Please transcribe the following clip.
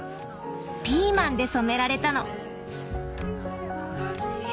ピーマンで染められたの。